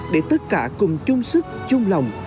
để tất cả cùng chung sức chung lòng